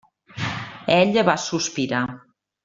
Ella va sospirar.